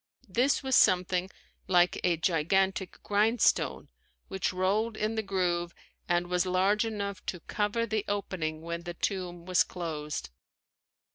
This was something like a gigantic grindstone which rolled in the groove and was large enough to cover the opening when the tomb was closed.